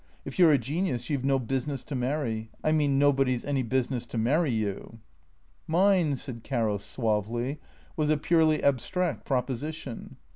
If you 're a genius you 've no business to marry — I mean nobody 's any business to marry you." " Mine," said Caro suavely, " was a purely abstract proposi tion."